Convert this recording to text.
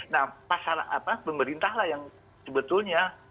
nah pasal apa pemerintah lah yang sebetulnya